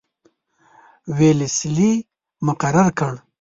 ویلسلي مقرر کړ.